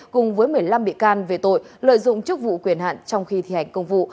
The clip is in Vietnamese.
cùng với một mươi năm bị can về tội lợi dụng chức vụ quyền hạn trong khi thi hành công vụ